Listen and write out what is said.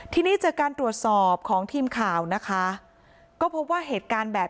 ทีนี้จากการตรวจสอบของทีมข่าวนะคะ